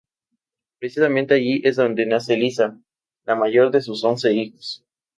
Precisamente allí es donde nace Elisa, la mayor de sus once hijos.